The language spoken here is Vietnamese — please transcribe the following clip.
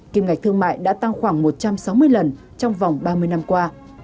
kim ngạch thương mại đã tăng khoảng một trăm sáu mươi lần trong vòng ba mươi năm qua